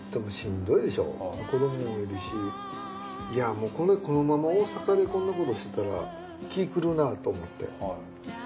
もうこのまま大阪でこんなことしてたら気狂うなと思って。